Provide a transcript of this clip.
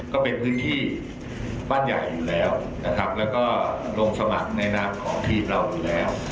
ก็เป็นพื้นที่บ้านใหญ่อยู่แล้วนะครับแล้วก็ลงสมัครในนามของทีมเราอยู่แล้ว